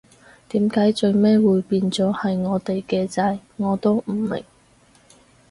點解最尾會變咗係我哋嘅仔，我都唔明